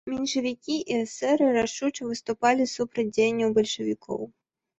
Меншавікі і эсэры рашуча выступалі супраць дзеянняў бальшавікоў.